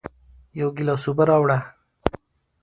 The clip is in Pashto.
یو گیلاس اوبه راوړه